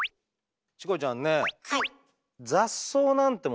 チコちゃんねはい。